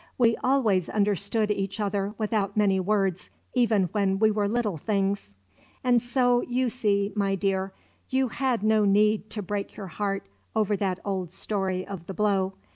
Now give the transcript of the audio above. We always understood each other without many words, even when we were little things. "And so, you see, my dear, you had no need to break your heart over that old story of the blow.